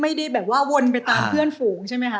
ไม่ได้แบบว่าวนไปตามเพื่อนฝูงใช่ไหมคะ